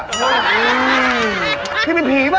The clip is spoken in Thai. หมอผีพี่เป็นผีป่ะ